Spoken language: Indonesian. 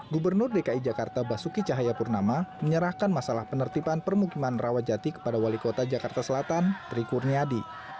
gubernur dki jakarta basuki cahaya purnama menyerahkan masalah penertipan permukiman rawajati kepada wali kota jakarta selatan trikurni adi